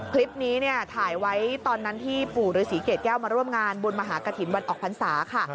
คลิปนี้เนี่ยถ่ายไว้ตอนนั้นที่ปู่ฤษีเกรดแก้วมาร่วมงานบุญมหากฐินวันออกพรรษาค่ะ